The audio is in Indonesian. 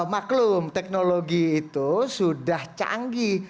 maklum teknologi itu sudah canggih